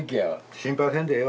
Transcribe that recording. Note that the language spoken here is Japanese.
心配せんでええよ。